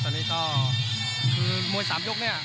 ตอนนี้ก็คือมวย๓ยกเนี่ย